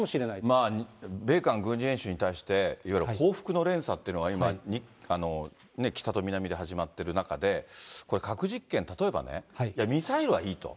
まあ、米韓軍事演習に対して、いわゆる報復の連鎖というのが今、北と南で始まってる中で、これ、核実験、例えばね、ミサイルはいいと。